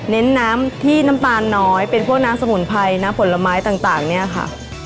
น้ำที่น้ำตาลน้อยเป็นพวกน้ำสมุนไพรน้ำผลไม้ต่างเนี่ยค่ะ